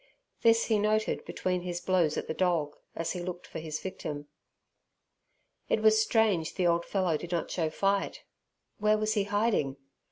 This he noted between his blows at the dog, as he looked for his victim. It was strange the old fellow did not show fight! Where was he hiding?